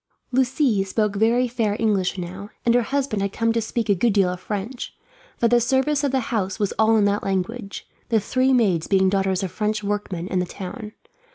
Lucie spoke very fair English now, and her husband had come to speak a good deal of French; for the service of the house was all in that language, the three maids being daughters of French workmen in the town.